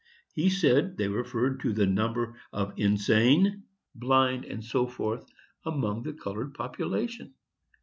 He said they referred to the number of insane, blind, &c., among the colored population.